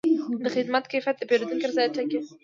د خدمت کیفیت د پیرودونکي رضایت ټاکي.